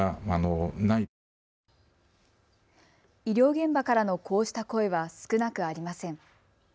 医療現場からのこうした声は少なくありません。